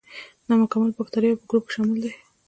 د نامکمل باکتریاوو په ګروپ کې شامل دي.